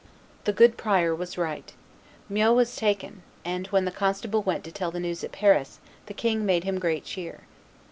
The good prior was right. Meaux was taken; and when the constable went to tell the news at Paris the king made him "great cheer."